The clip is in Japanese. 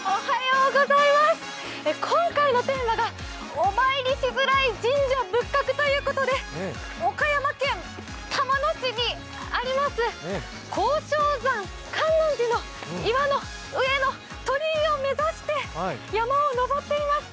今回のテーマがお参りしづらい神社仏閣ということで、岡山県玉野市にあります広昌山観音寺の岩の上の鳥居を目指して山を登っています。